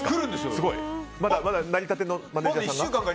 まだなりたてのマネジャーさんが？